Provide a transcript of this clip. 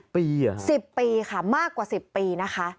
๑๐ปีเหรอคะ๑๐ปีค่ะมากกว่า๑๐ปีนะคะ